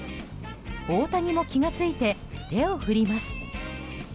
大谷も気が付いて手を振ります。